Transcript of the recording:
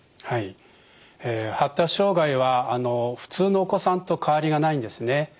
はい発達障害は普通のお子さんと変わりがないんですね。